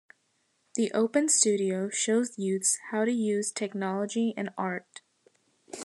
The Open Studio shows youths how to use technology in art.